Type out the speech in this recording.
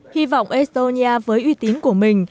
hy vọng estonia với uy tín của mình